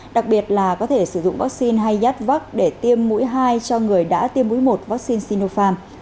đặc biệt là có thể sử dụng vaccine hay yatvax để tiêm mũi hai cho người đã tiêm mũi một vaccine sinopharm